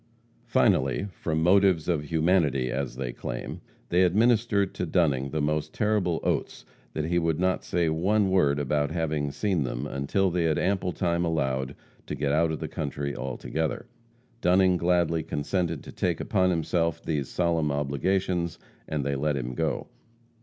Finally, from motives of humanity, as they claim, they administered to Dunning the most terrible oaths that he would not say one word about having seen them until they had ample time allowed to get out of the country altogether. Dunning gladly consented to take upon himself these solemn obligations, and they let him go.